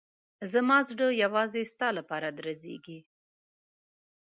زما زړه یوازې ستا لپاره درزېږي.